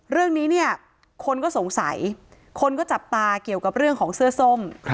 เรื่องนี้เนี่ยคนก็สงสัยคนก็จับตาเกี่ยวกับเรื่องของเสื้อส้ม